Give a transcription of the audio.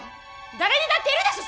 誰にだっているでしょ